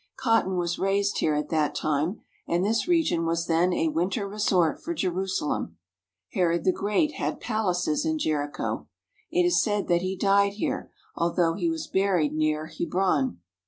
Cotton was raised here at that time, and this region was then a winter resort for Jerusalem. Herod the Great had pal aces in Jericho. It is said that he died here, although he was buried near Hebron.